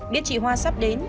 biết chị hoa sắp đến